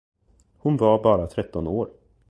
Hon var bara tretton år.